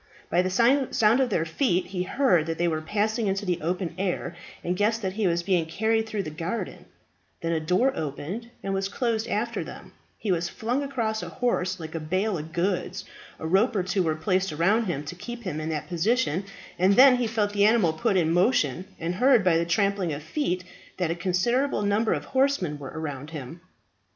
By the sound of their feet he heard that they were passing into the open air, and guessed that he was being carried through the garden; then a door opened and was closed after them; he was flung across a horse like a bale of goods, a rope or two were placed around him to keep him in that position, and then he felt the animal put in motion, and heard by the trampling of feet that a considerable number of horsemen were around him.